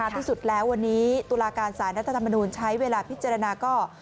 ที่สุดแล้ววันนี้ตุลาการสารรัฐธรรมนูญใช้เวลาพิจารณาก็